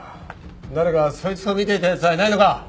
誰かそいつを見ていた奴はいないのか？